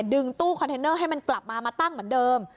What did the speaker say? ดึงตู้คอนเทนเนอร์ให้มันกลับมามาตั้งเหมือนเดิม